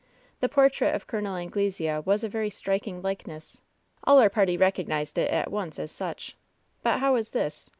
The portrait of CoL Anglesea was a very striking likeness. All our party recognized it at once as such. But how was this